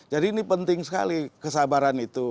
jadi ini penting sekali kesabaran itu